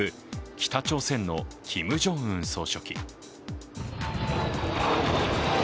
北朝鮮のキム・ジョンウン総書記。